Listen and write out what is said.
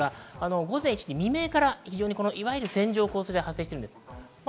午前１時未明から線状降水帯が発生しています。